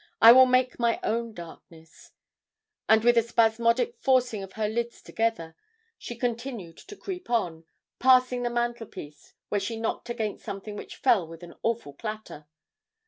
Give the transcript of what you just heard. "I will make my own darkness," and with a spasmodic forcing of her lids together, she continued to creep on, passing the mantelpiece, where she knocked against something which fell with an awful clatter.